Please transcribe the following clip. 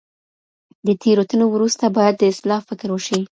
د تیروتنو وروسته باید د اصلاح فکر وشي.